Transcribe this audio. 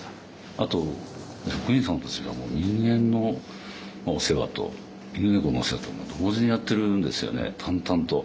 あと職員さんたちがもう人間のお世話と犬猫のお世話と同時にやってるんですよね淡々と。